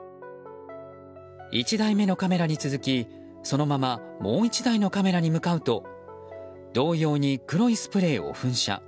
１台目のカメラに続き、そのままもう１台のカメラに向かうと同様に黒いスプレーを噴射。